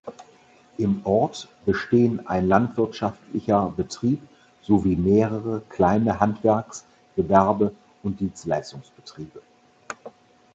Im Ort bestehen ein landwirtschaftlicher Betrieb sowie mehrere kleine Handwerks-, Gewerbe- und Dienstleistungsbetriebe.